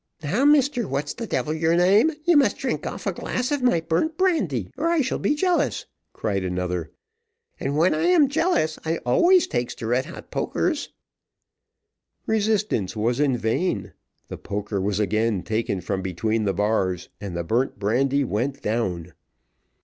"Now, Mr What the devil's your name, you must drink off a glass of my burnt brandy, or I shall be jealous," cried another; "and when I am jealous I always takes to red hot pokers." Resistance was in vain, the poker was again taken from between the bars, and the burnt brandy went down.